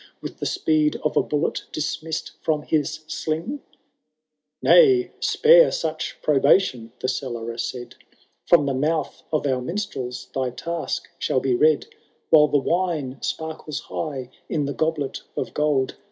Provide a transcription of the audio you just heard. With the speed of a bullet disminM from the sling ?*"—Nay, spare such probation, the Cellarer said, From the mouth of our minstrels thy task shall be read. While the wine sparkles high in the goblet of gold.